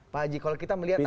pak haji kalau kita melihat